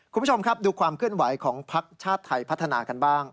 คุณผู้ชมครับดูความเคลื่อนไหวของภักดิ์ชาติไทยพัฒนากันบ้าง